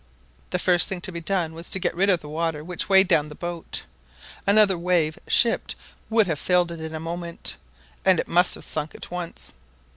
The first thing to be done was to get rid of the water which weighed down the boat. Another wave shipped would have filled it in a moment, and it must have sunk at once.